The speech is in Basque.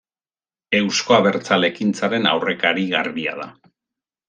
Eusko Abertzale Ekintzaren aurrekari garbia da.